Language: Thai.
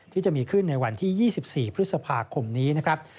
ที่จะมีขึ้นในวันที่๒๔พฤษภาคมนี้นะครับ